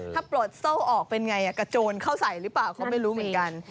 ถ้าปลดโซ่ออกเป็นไงกระโจนเข้าใส่หรือเปล่าก็ไม่รู้เหมือนกัน